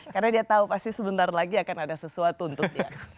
karena dia tahu pasti sebentar lagi akan ada sesuatu untuk dia